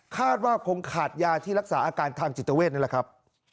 คาดว่าคงขาดยาที่รักษาอาการทางจิตเวทนี่แหละครับ